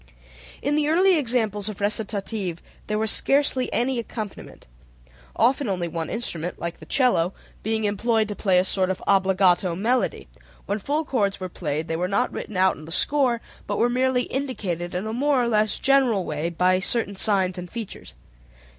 In the early examples of recitative there was scarcely any accompaniment, often only one instrument (like the cello) being employed to play a sort of obbligato melody: when full chords were played they were not written out in the score, but were merely indicated in a more or less general way by certain signs and figures.